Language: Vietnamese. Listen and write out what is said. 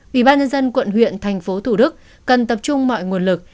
ủy ban nhân dân quận huyện tp hcm cần tập trung mọi nguồn lực